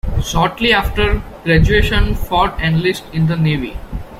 Shortly after graduation, Ford enlisted in the Navy.